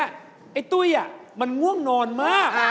ไอ้ตุ้ยมันง่วงนอนมาก